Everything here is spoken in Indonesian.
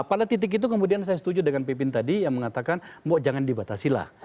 pada titik itu kemudian saya setuju dengan pipin tadi yang mengatakan mbok jangan dibatasilah